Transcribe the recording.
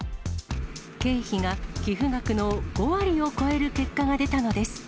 経費が寄付額の５割を超える結果が出たのです。